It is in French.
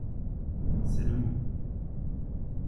C’est le mot.